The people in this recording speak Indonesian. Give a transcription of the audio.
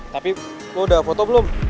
tapi lo udah foto belum